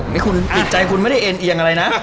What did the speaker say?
นี่คุณจิตใจคุณไม่ได้เอ็นเอียงอะไรนะ